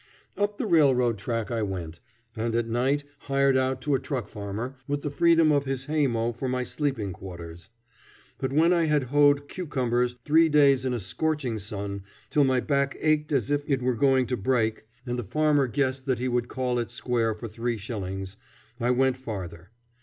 Up the railroad track I went, and at night hired out to a truck farmer, with the freedom of his haymow for my sleeping quarters. But when I had hoed cucumbers three days in a scorching sun, till my back ached as if it were going to break, and the farmer guessed that he would call it square for three shillings, I went farther.